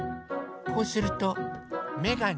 こうするとめがね。